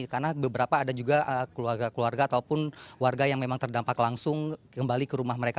karena beberapa ada juga keluarga keluarga ataupun warga yang memang terdampak langsung kembali ke rumah mereka